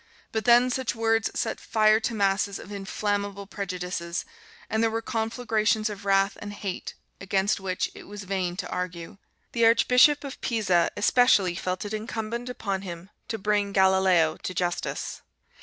But then such words set fire to masses of inflammable prejudices, and there were conflagrations of wrath and hate against which it was vain to argue. The Archbishop of Pisa especially felt it incumbent upon him "to bring Galileo to justice."